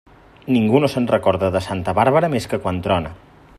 Ningú no se'n recorda de santa Bàrbara més que quan trona.